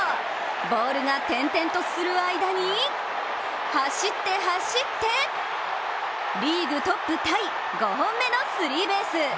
ボールが転々とする間に走って、走って、リーグトップタイ５本目のスリーベース。